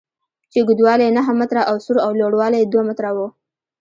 چې اوږدوالی یې نهه متره او سور او لوړوالی یې دوه متره و.